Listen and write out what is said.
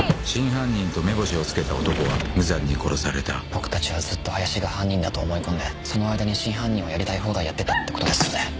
真犯人と目星を付けた男は無残に殺された僕たちはずっと林が犯人だと思い込んでその間に真犯人はやりたい放題やってたってことですよね？